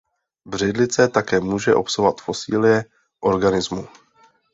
Břidlice také může obsahovat fosilie organismů.